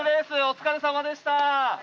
お疲れさまでした。